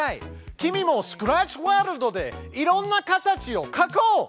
君もスクラッチワールドでいろんな形を描こう！